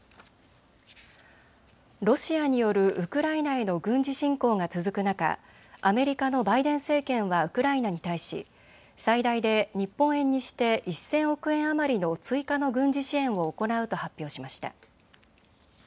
ロシアによるウクライナへの軍事侵攻が続く中、アメリカのバイデン政権はウクライナに対し最大で日本円にして１０００億円余りの追加の軍事支援を行うと発表しました。